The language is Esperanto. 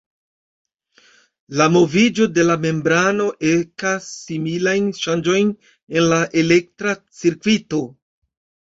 La moviĝo de la membrano ekas similajn ŝanĝojn en la elektra cirkvito.